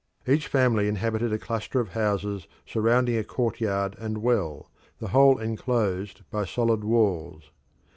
Each family inhabited a cluster of houses surrounding a courtyard and well, the whole enclosed by solid walls.